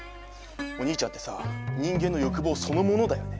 お兄ちゃんってさ人間の欲望そのものだよね。